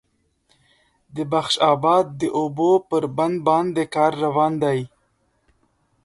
د بخش آباد د اوبو پر بند باندې کار روان دی